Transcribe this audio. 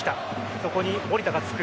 そこに守田がつく。